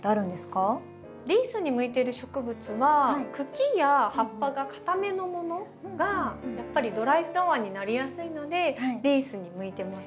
リースに向いている植物は茎や葉っぱがかためのものがやっぱりドライフラワーになりやすいのでリースに向いてますね。